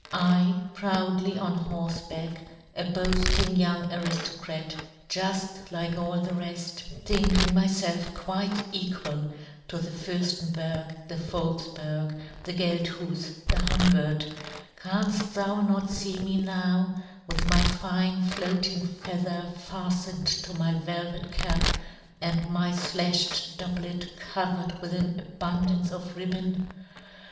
I proudly on horfe " back, a boafting young ariftocrat, " juft like all the refl:, thinking my " felf quite equal to the Furftenberg, " the Volkfberg, the Gelthufs, the " Humbert, canft thou not fee me " now with my fine floating feather " faftened to my velvet cap, and my " flafhed doublet covered with an " abundance of ribbon